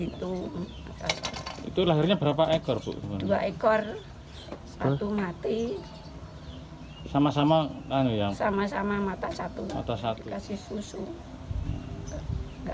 itu lahirnya berapa ekor dua ekor satu mati sama sama sama sama mata satu atau satu kasih susu